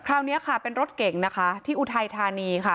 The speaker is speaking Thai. คราวนี้ค่ะเป็นรถเก่งนะคะที่อุทัยธานีค่ะ